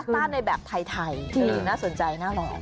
พักต้านในแบบไทยจริงน่าสนใจน่ารอบ